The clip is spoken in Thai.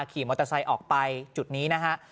ขี่มอเตอร์ไซค์ออกไปจุดนี้นะฮะ